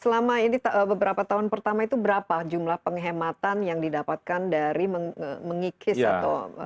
selama ini beberapa tahun pertama itu berapa jumlah penghematan yang didapatkan dari mengikis atau